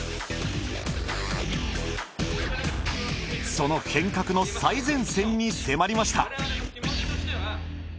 その変革の最前線に迫りました。